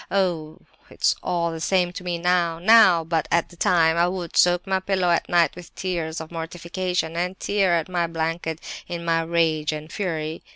"Oh! it's all the same to me now—now! But at that time I would soak my pillow at night with tears of mortification, and tear at my blanket in my rage and fury.